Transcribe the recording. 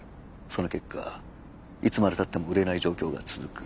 その結果いつまでたっても売れない状況が続く。